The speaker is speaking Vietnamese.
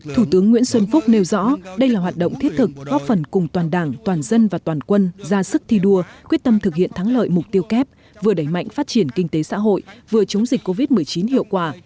thủ tướng nguyễn xuân phúc nêu rõ đây là hoạt động thiết thực góp phần cùng toàn đảng toàn dân và toàn quân ra sức thi đua quyết tâm thực hiện thắng lợi mục tiêu kép vừa đẩy mạnh phát triển kinh tế xã hội vừa chống dịch covid một mươi chín hiệu quả